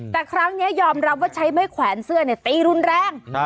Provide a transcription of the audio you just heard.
แต่ครั้งนี้ยอมรับว่าใช้ไม้แขวนเสื้อตีรุนแรง